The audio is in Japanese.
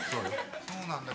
そうなんだ。